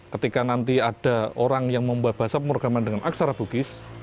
ketika nanti ada orang yang membuat bahasa pemorgaman dengan aksara bugis